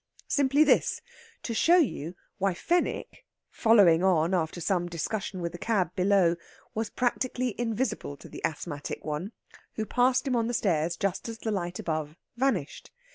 Simply this: to show you why Fenwick, following on after some discussion with the cab below, was practically invisible to the asthmatic one, who passed him on the stairs just as the light above vanished.